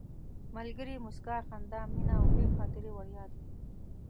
ملګري، موسکا، خندا، مینه او ښې خاطرې وړیا دي.